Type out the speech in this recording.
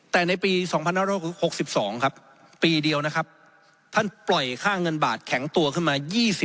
แต่ในปี๒๕๖๒ครับปีเดียวนะครับท่านปล่อยค่าเงินบาทแข็งตัวขึ้นมา๒๐